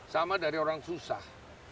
sama dari orang susah